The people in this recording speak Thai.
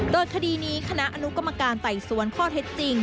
โดยคดีนี้คณะอนุกรรมการไต่สวนข้อเท็จจริง